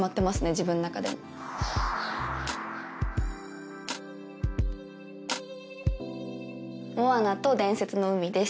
自分の中でも「モアナと伝説の海」です